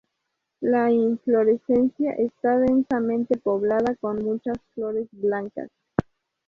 La inflorescencia está densamente poblada con muchas flores blancas.